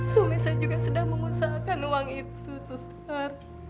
suami saya juga sedang mengusahakan uang itu suster